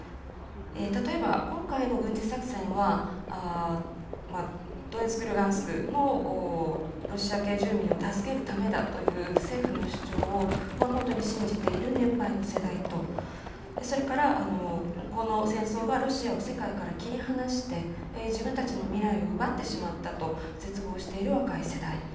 例えば、今回の軍事作戦はドネツク、ルガンスクのロシア系住民を助けるためだという政府の主張を本当に信じている年配の世代とそれから、この戦争がロシアが世界から切り離して自分たちの未来を奪ってしまったと絶望している若い世代。